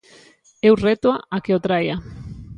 Eu rétoa a que o traia.